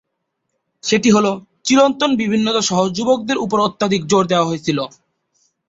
সেটি হল "চিরন্তন বিভিন্নতা সহ যুবকদের উপর অত্যধিক জোর দেওয়া হয়েছিল"।